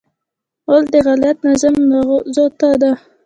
غول د غلط نظم نغوته ده.